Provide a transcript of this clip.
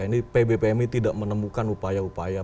ini pb pmi tidak menemukan upaya upaya